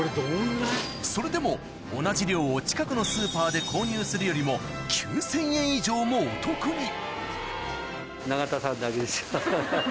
それでも同じ量を近くのスーパーで購入するよりも９０００円以上もお得に！